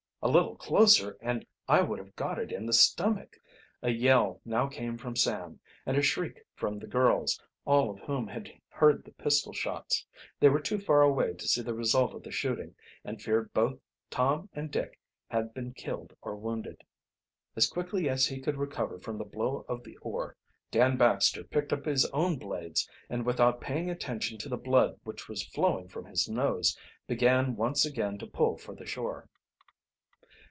"A little closer and I would have got it in the stomach." A yell now came from Sam, and a shriek from the girls, all of whom had heard the pistol shots. They were too far away to see the result of the shooting and feared both Tom and Dick had been killed or wounded. As quickly as he could recover from the blow of the oar, Dan Baxter picked up his own blades, and without paying attention to the blood which was flowing from his nose, began once again to pull for the shore.